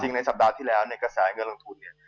ในสัปดาห์ที่แล้วเนี่ยกระแสเงินลงทุนเนี่ย